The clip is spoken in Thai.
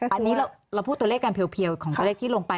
อันนี้เราพูดตัวเลขการเพียวของตัวเลขที่ลงไป